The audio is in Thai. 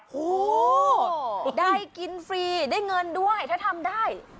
โหได้กินฟรีได้เงินด้วยถ้าทำได้